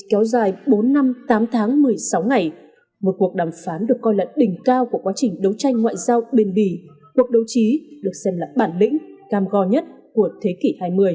kéo dài bốn năm tám tháng một mươi sáu ngày một cuộc đàm phán được coi là đỉnh cao của quá trình đấu tranh ngoại giao bền bì cuộc đấu trí được xem là bản lĩnh cam go nhất của thế kỷ hai mươi